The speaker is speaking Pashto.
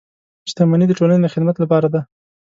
• شتمني د ټولنې د خدمت لپاره ده.